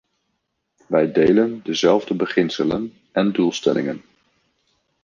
Wij delen dezelfde beginselen en doelstellingen.